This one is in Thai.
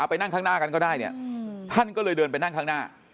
ไปนั่งข้างหน้ากันก็ได้เนี่ยท่านก็เลยเดินไปนั่งข้างหน้า